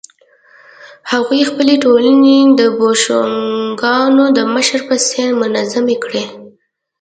هغوی خپلې ټولنې د بوشونګانو د مشر په څېر منظمې کړې.